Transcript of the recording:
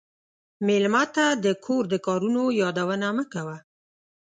مېلمه ته د کور د کارونو یادونه مه کوه.